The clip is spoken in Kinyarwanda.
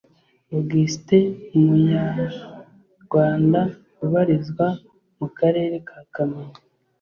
Augustin umuyarwanda ubarizwa mu Karere ka kamonyi